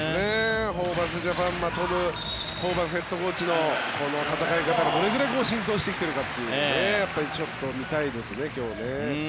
ホーバスジャパントム・ホーバスヘッドコーチの戦い方がどれぐらい浸透してきているかというのをちょっと見たいですね、今日。